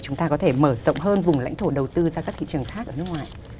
chúng ta có thể mở rộng hơn vùng lãnh thổ đầu tư sang các thị trường khác ở nước ngoài